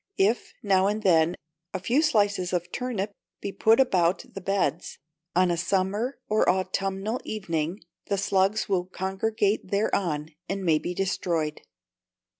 If, now and then, a few slices of turnip be put about the beds, on a summer or autumnal evening, the slugs will congregate thereon, and may be destroyed.